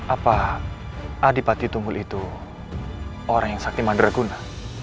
apa adipati tunggul itu orang yang sakti mantra guna